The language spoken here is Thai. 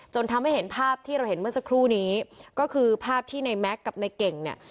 ทำให้เห็นภาพที่เราเห็นเมื่อสักครู่นี้ก็คือภาพที่ในแม็กซ์กับในเก่งเนี่ย